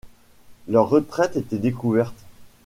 Leur retraite était découverte.